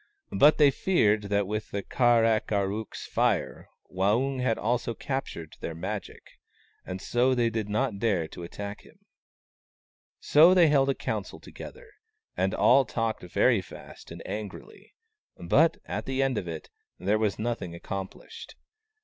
But they feared that with the Kar ak ar ook's Fire Waung had also captured their Magic, and so they did not dare to attack him. So they held a council together, and all talked very fast and angrily : but at the end of it, there was nothing accomplished.